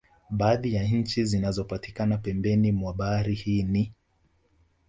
Baadhi ya nchi zinazopatikana pembeni mwa bahari hii ni